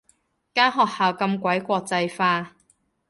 間學校咁鬼國際化